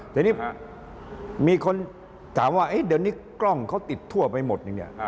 แต่นี้มีคนถามว่าเดี๋ยวนี้กล้องเขาติดทั่วไปหมด